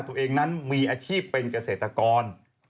ตัวเองนั้นมีอาชีพเป็นเกษตรกร